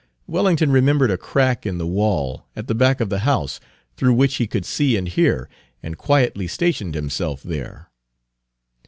Page 264 Wellington remembered a crack in the wall, at the back of the house, through which he could see and hear, and quietly stationed himself there.